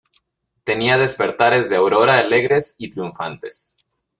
tenía despertares de aurora alegres y triunfantes.